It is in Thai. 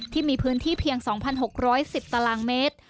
ที่มีพื้นที่เพียง๒๖๑๐ตารางเมตร